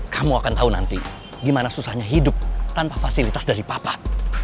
kamu akan tahu nanti gimana susahnya hidup tanpa fasilitas dari papat